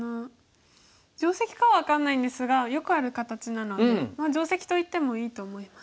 定石かは分かんないんですがよくある形なので定石と言ってもいいと思います。